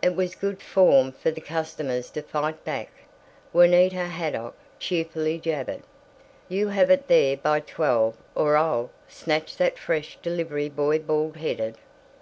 It was good form for the customers to fight back. Juanita Haydock cheerfully jabbered, "You have it there by twelve or I'll snatch that fresh delivery boy bald headed."